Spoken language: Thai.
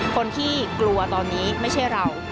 คนที่กลัวตอนนี้ไม่ใช่เรา